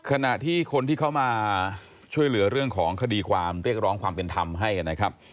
ขณะที่คนที่เขามาช่วยเหลือเรื่องของคดีความเรียกร้องความเป็นธรรมให้กันนะครับ